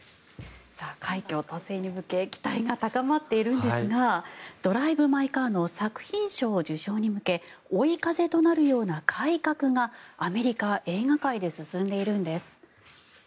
快挙に向け期待が高まっていますが「ドライブ・マイ・カー」の作品賞受賞に向け追い風となるような改革がアメリカ映画界で進んでいるんです。